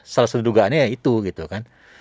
salah satu dugaannya ya itu gitu kan